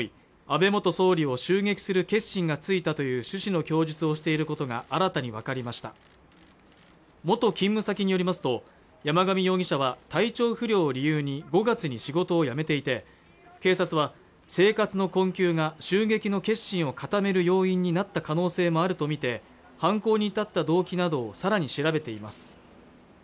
安倍元総理を襲撃する決心がついたという趣旨の供述をしていることが新たに分かりました元勤務先によりますと山上容疑者は体調不良を理由に５月に仕事を辞めていて警察は生活の困窮が襲撃の決心を固める要因になった可能性もあると見て犯行に至った動機などをさらに調べています